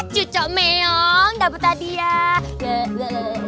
cucok meyong dapet hadiah